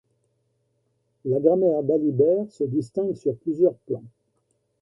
La grammaire d'Alibert se distingue sur plusieurs plans.